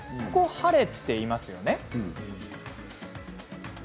晴れていますよね。